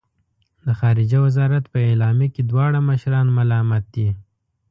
د خارجه وزارت په اعلامیه کې دواړه مشران ملامت دي.